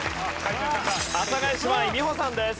阿佐ヶ谷姉妹美穂さんです。